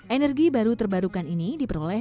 energi baru terbarukan ini diperoleh